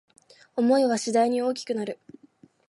想いは次第に大きくなる